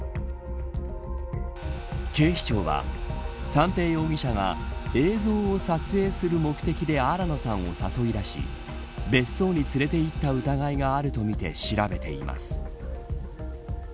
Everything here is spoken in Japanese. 警視庁は三瓶容疑者が映像を撮影する目的で新野さんを誘い出し別荘に連れて行った疑いがあるとみて調べています。